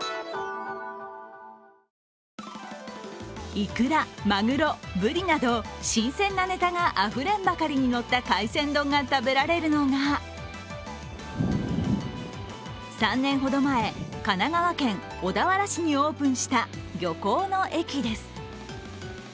いくら、まぐろ、ぶりなど新鮮なネタがあふれんばかりにのった海鮮丼が食べられるのが３年ほど前、神奈川県小田原市にオープンした漁港の駅です。